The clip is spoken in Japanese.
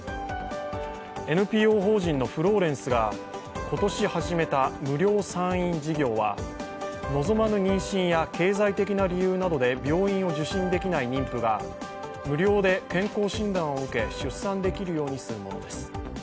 ＮＰＯ法人のフローレンスが今年始めた無料産院事業は望まぬ妊娠や経済的な理由などで病院を受診できない妊婦が無料で健康診断を受け出産できるようにするものです。